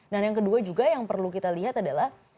dan yang kedua juga yang perlu kita lihat adalah